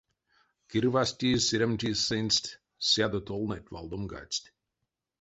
Кирвастизь-сыремтизь сынст — сядо толнэть валдомгадсть.